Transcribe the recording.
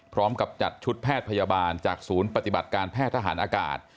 พร้อมกับจัดชุดแพทย์พยาบาลจากศูนย์ปฏิบัติการแพทย์ทหารอากาศ